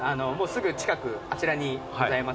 すぐ近くあちらにございますので。